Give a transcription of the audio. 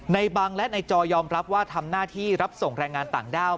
บังและนายจอยอมรับว่าทำหน้าที่รับส่งแรงงานต่างด้าว